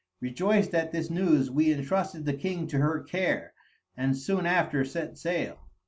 Rejoiced at this news, we intrusted the king to her care, and soon after set sail.'"